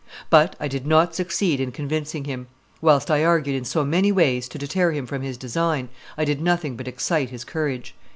But I did not succeed in convincing him; whilst I argued in so many ways to deter him from his design, I did nothing but excite his courage."